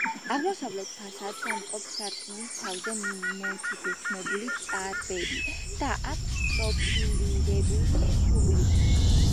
აღმოსავლეთ ფასადს ამკობს სარკმლის თავზე მოჩუქურთმებული წარბები და აქვს პროფილირებული შუბლი.